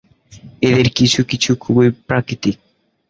এদের কিছু কিছু খুবই প্রাকৃতিক।